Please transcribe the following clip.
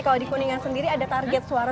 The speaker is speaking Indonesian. kalau di kuningan sendiri ada target suara